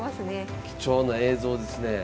貴重な映像ですねえ。